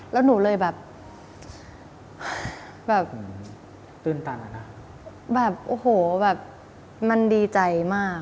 แล้วหนูเลยแบบแบบแบบโอ้โหแบบมันดีใจมาก